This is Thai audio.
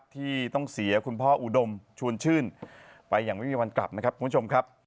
ที่ต้องเสียคุณพ่ออุดมชวนชื่นไปอย่างไม่มีวันกลับนะครับคุณผู้ชมครับ